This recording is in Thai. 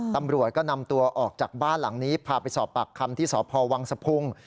ตำรวจก็นำตัวออกจากบ้านหลังนี้พาไปสอบปากคำที่สพวังสะพุง